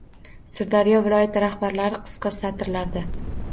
Sirdaryo viloyati xabarlari – qisqa satirlarda